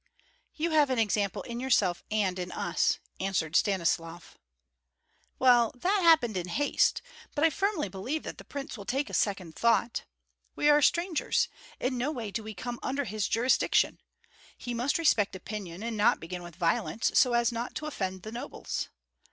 "You have an example in yourself and in us," answered Stanislav. "Well, that happened in haste; but I believe firmly that the prince will take a second thought. We are strangers; in no way do we come under his jurisdiction. He must respect opinion, and not begin with violence, so as not to offend the nobles.